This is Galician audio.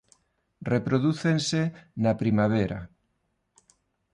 Reprodúcense na primavera.